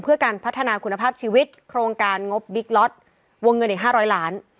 เพื่อการพัฒนาคุณภาพชีวิตโครงการงบบิ๊กล็อตวงเงินอีก๕๐๐ล้าน